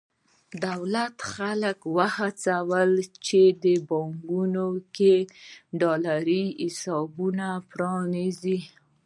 دولت خلک وهڅول چې په بانکونو کې ډالري حسابونه پرانېزي.